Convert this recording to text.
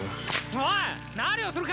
おい何をするか！